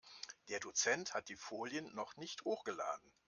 Der Dozent hat die Folien noch nicht hochgeladen.